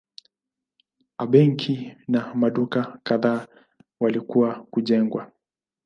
A benki na maduka kadhaa walikuwa kujengwa.